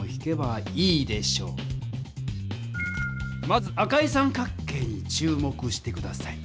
まず赤い三角形に注目して下さい。